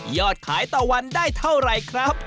อดขายต่อวันได้เท่าไหร่ครับ